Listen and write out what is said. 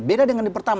beda dengan di pertama